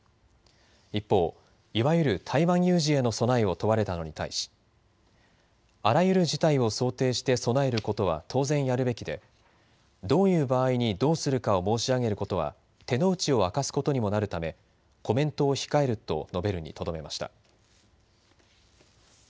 一方、いわゆる台湾有事への備えを問われたのに対しあらゆる事態を想定して備えることは当然やるべきでどういう場合にどうするかを申し上げることは手の内を明かすことにもなるためコメントを控えると述べるにとどめました。